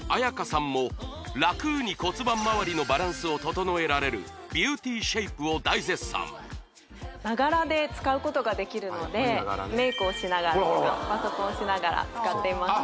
Ａｙａｋａさんもラクに骨盤まわりのバランスを整えられるビューティーシェイプを大絶賛ながらで使うことができるのでメイクをしながらとかパソコンしながら使っています